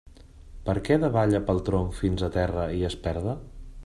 Perquè davalle pel tronc fins a terra i es perda?